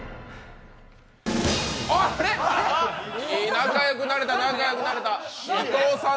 仲良くなれた、仲良くなれた伊藤さん